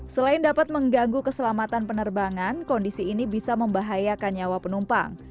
selain dapat mengganggu keselamatan penerbangan kondisi ini bisa membahayakan nyawa penumpang